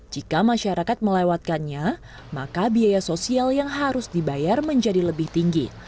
jika masyarakat melewatkannya maka biaya sosial yang harus dibayar menjadi lebih tinggi